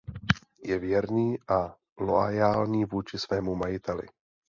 Je věrný a loajální vůči svému majiteli.